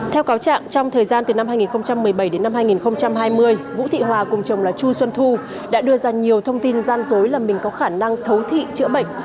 theo cáo trạng trong thời gian từ năm hai nghìn một mươi bảy đến năm hai nghìn hai mươi vũ thị hòa cùng chồng là chu xuân thu đã đưa ra nhiều thông tin gian dối là mình có khả năng thấu thị chữa bệnh